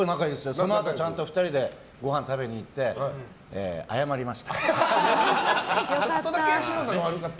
そのあと、ちゃんと２人でごはん食べに行って良かった。